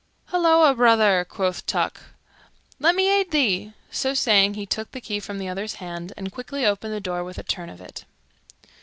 "Hilloa, brother," quoth Tuck, "let me aid thee." So saying, he took the key from the other's hand and quickly opened the door with a turn of it.